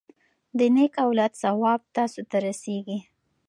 د نیک اولاد ثواب تاسو ته رسیږي.